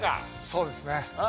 そうですね。